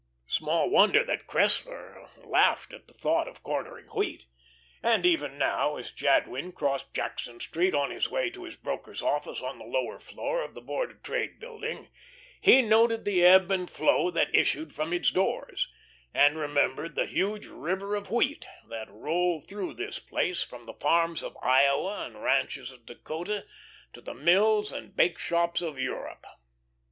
Small wonder that Cressler laughed at the thought of cornering wheat, and even now as Jadwin crossed Jackson Street, on his way to his broker's office on the lower floor of the Board of Trade Building, he noted the ebb and flow that issued from its doors, and remembered the huge river of wheat that rolled through this place from the farms of Iowa and ranches of Dakota to the mills and bakeshops of Europe.